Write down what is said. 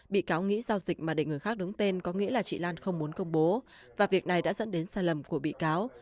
bị cáo nghĩ giao dịch mà để người khác đứng tên có nghĩa là chị lan không muốn công bố và việc này đã dẫn đến sai lầm của bị cáo